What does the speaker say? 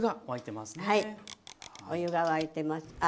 お湯が沸いてますね。